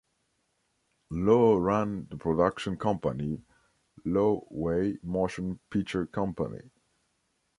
Lo ran the production company "Lo Wei Motion Picture Company".